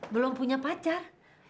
belum punya pacar